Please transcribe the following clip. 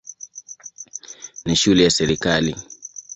Ni shule ya serikali.